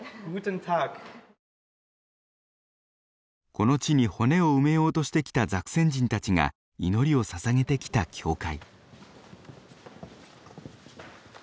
この地に骨を埋めようとしてきたザクセン人たちが祈りをささげてきた教会。